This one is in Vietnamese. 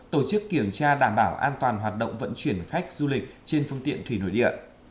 tổ chức kiểm tra đảm bảo an toàn hoạt động vận chuyển khách du lịch trên phương tiện thủy nội địa